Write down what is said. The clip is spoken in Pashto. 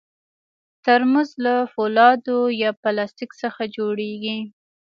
ترموز له فولادو یا پلاستیک څخه جوړېږي.